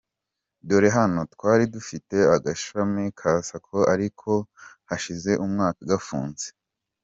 Dore hano twari dufite agashami ka Sacco ariko hashize umwaka gafunze.